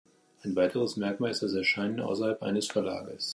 Ein weiteres Merkmal ist das Erscheinen außerhalb eines Verlags.